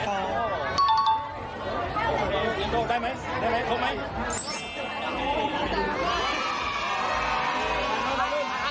ได้มั้ยพบมั้ย